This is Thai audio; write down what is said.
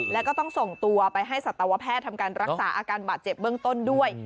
แล้วก็ต้องส่งตัวไปให้สัตวแพทย์ทำการรักษาอาการบาดเจ็บเบื้องต้นด้วย